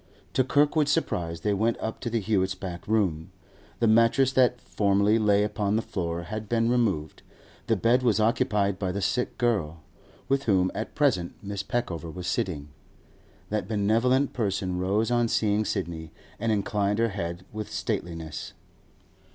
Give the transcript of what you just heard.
To Kirkwood's surprise, they went up to the Hewetts' back room. The mattress that formerly lay upon the floor had been removed; the bed was occupied by the sick girl, with whom at present Mrs. Peckover was sitting. That benevolent person rose on seeing Sidney, and inclined her head with stateliness.